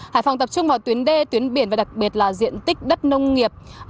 hải phòng tập trung vào tuyến đê tuyến biển và đặc biệt là diện tích đất nông nghiệp